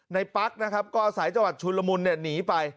ในปากนะครับก็สายจังหวัดชุนละมุนเนี่ยหนีไป